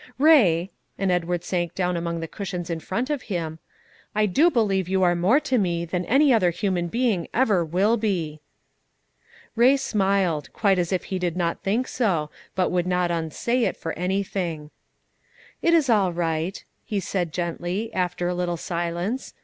Ray," and Edward sank down among the cushions in front of him, "I do believe you are more to me than any other human being ever will be." Ray smiled, quite as if he did not think so, but would not unsay it for anything. "It is all right," he said gently, after a little silence.